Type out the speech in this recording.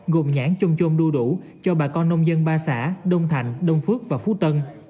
gồm nhãn chôn chôn đu đủ cho bà con nông dân ba xã đông thành đông phước và phú tân